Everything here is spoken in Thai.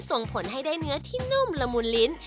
ส่งผลให้ได้เนื้อที่นุ่มละมุนลิ้น